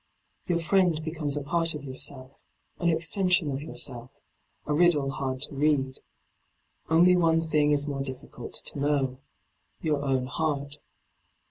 Your friend becomes a part of yourself, an extension of yourself, a riddle hard to read. Only one thing is more difficult to know — your own heart.